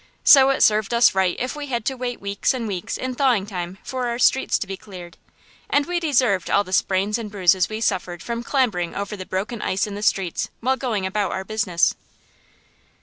So it served us right if we had to wait weeks and weeks in thawing time for our streets to be cleared; and we deserved all the sprains and bruises we suffered from clambering over the broken ice in the streets while going about our business.